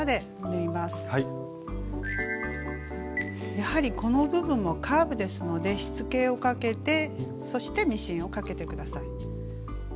やはりこの部分もカーブですのでしつけをかけてそしてミシンをかけて下さい。